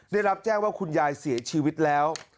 ได้รับแจ้งว่าคุณยายเสียชีวิตแล้ว